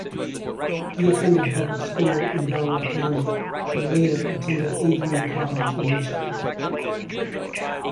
He attended public school in Delaware County and later attended Adrian College in Michigan.